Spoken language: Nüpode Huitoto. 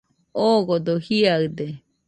Odogo jiaɨde